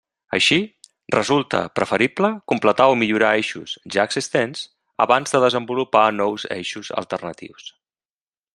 Així, resulta preferible completar o millorar eixos ja existents abans de desenvolupar nous eixos alternatius.